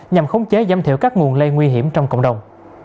nhằm khống chế giảm thiểu các nguồn lây nguy hiểm trong cộng đồng